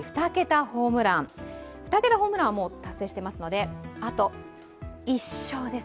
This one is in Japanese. ２桁ホームランは達成していますので、あと１勝です。